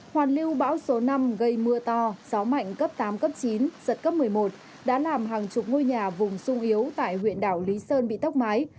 hoàn lưu bão số năm gây mưa to gió mạnh cấp tám cấp chín giật cấp một mươi một đã làm hàng chục ngôi nhà vùng sung yếu tại huyện đảo lý sơn bị tốc mái